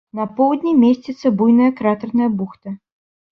На поўдні месціцца буйная кратэрная бухта.